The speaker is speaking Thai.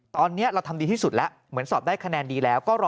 ตอนนี้เราทำดีที่สุดแล้วเหมือนสอบได้คะแนนดีแล้วก็รอ